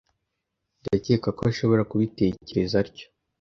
Ndakeka ko ashobora kubitekereza atyo.